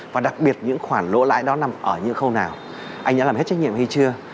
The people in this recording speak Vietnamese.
và đặc biệt những khoản lỗ lãi đó nằm ở những khâu nào anh đã làm hết trách nhiệm hay chưa